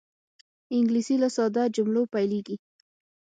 انګلیسي له ساده جملو پیلېږي